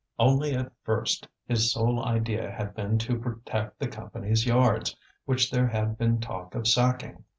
Only at first his sole idea had been to protect the Company's Yards, which there had been talk of sacking.